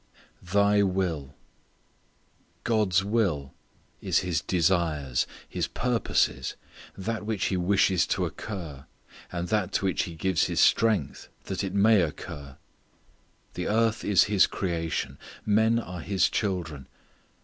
"Thy will." God's will is His desires, His purposes, that which He wishes to occur, and that to which He gives His strength that it may occur. The earth is His creation. Men are His children.